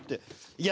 いや。